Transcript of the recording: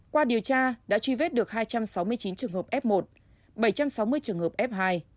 qua điều tra đã truy vết được hai trăm sáu mươi chín trường hợp f một bảy trăm sáu mươi trường hợp f hai